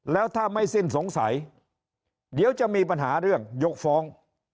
แล้วถ้าไม่สิ้นสงสัยเดี๋ยวจะมีปัญหาเรื่องยกฟ้อง